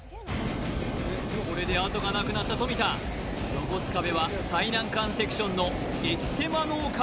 これであとがなくなった富田残す壁は最難関セクションの激狭脳か